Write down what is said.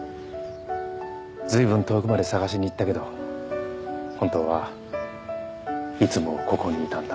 「ずいぶん遠くまで探しに行ったけど本当はいつもここにいたんだ」。